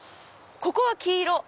ここは黄色。